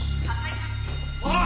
おい！